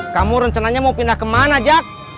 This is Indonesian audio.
kamu rencananya mau pindah kemana jak